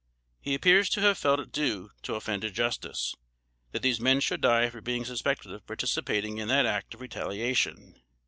He appears to have felt it due to offended justice, that these men should die for being suspected of participating in that act of retaliation.